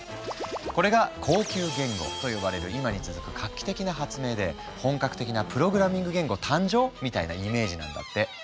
これが「高級言語」と呼ばれる今に続く画期的な発明で本格的なプログラミング言語誕生⁉みたいなイメージなんだって。